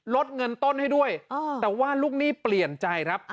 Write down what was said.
ลดเงินต้นให้ด้วยแต่ว่าลูกหนี้เปลี่ยนใจครับ